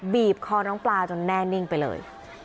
บีบคอน้องปลาจนแน่นิ่งไปเลย